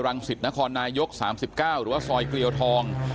รังศิษฐ์นครนายก๓๙หรือซอยเกลี่ยวทอง